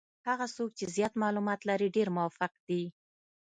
هغه څوک چې زیات معلومات لري ډېر موفق دي.